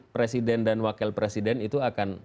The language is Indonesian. presiden dan wakil presiden itu akan